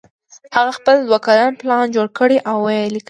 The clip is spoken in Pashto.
هغه خپل دوه کلن پلان جوړ کړ او ویې لیکه